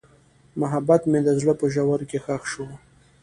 محبت مې د زړه په ژوره کې ښخ شو.